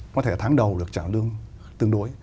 có thể tháng đầu được trả lương tương đối